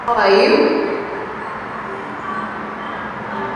It represents the historic county of Herefordshire.